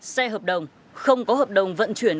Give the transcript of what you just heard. xe hợp đồng không có hợp đồng vận chuyển